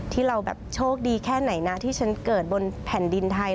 ที่เราแบบโชคดีแค่ไหนนะที่ฉันเกิดบนแผ่นดินไทย